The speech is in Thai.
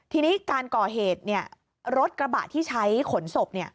ทีนี้การก่อเหตุรถกระบะที่ใช้ขนศพ